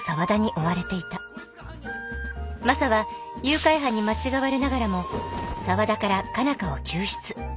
マサは誘拐犯に間違われながらも沢田から佳奈花を救出。